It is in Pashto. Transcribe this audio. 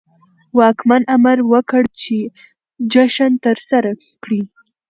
واکمن امر وکړ چې جشن ترسره کړي.